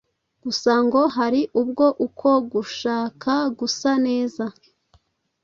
gusa ngo hari ubwo uko gushaka gusa neza